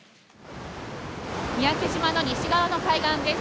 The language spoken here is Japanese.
三宅島の西側の海岸です。